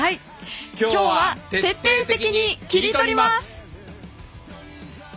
今日は徹底的に切り取ります！